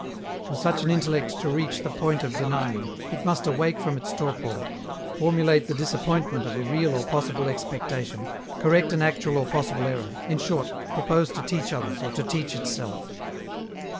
For such an intellect to reach the point of denying, it must awake from its torpor, formulate the disappointment of a real or possible expectation, correct an actual or possible error in short, propose to teach others or to teach itself.